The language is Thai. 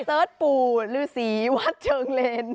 เสิร์ชปูหรือสีวัดเชิงเลน